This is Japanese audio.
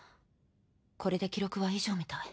これで記録は以上みたい。